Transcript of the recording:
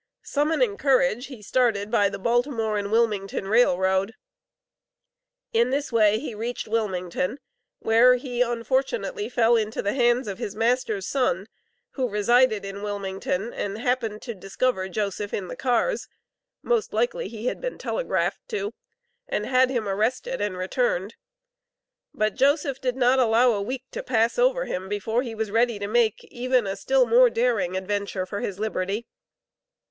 Summoning courage he started by the Baltimore and Wilmington Rail Road. In this way he reached Wilmington where he unfortunately fell into the hands of his master's son, who resided in Wilmington, and happened to discover Joseph in the cars, (most likely he had been telegraphed to) and had him arrested and returned. But Joseph did not allow a week to pass over him before he was ready to make even a still more daring adventure for his liberty.